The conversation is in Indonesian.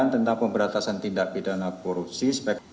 tentang pemberantasan tindak pidana korupsi